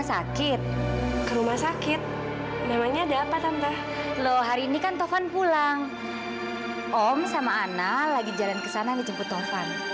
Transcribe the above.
sampai jumpa di video selanjutnya